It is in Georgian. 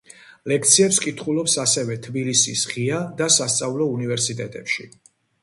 ლექციებს კითხულობს ასევე თბილისის ღია და სასწავლო უნივერსიტეტებში.